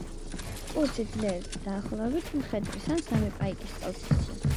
კუ სიძლიერით დაახლოებით მხედრის ან სამი პაიკის ტოლფასია.